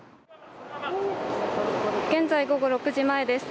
現在、午後６時前です。